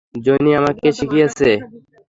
Johnny আমাকে শিখিয়েছে।